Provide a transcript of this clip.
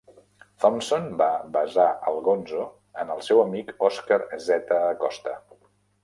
Thompson va basar el Gonzo en el seu amic Oscar Zeta Acosta.